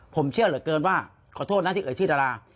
ผมเชื่อเหลือเกินว่าขอโทษนะที่เอ่ยชื่อดารา